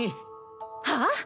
はあ⁉